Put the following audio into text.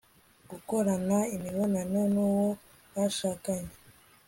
gukorana imibonano nu wo bashakanye